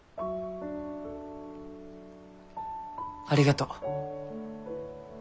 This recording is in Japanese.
ありがとう。